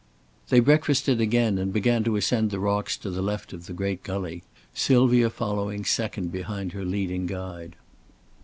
They breakfasted again and began to ascend the rocks to the left of the great gully, Sylvia following second behind her leading guide.